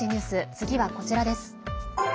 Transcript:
次はこちらです。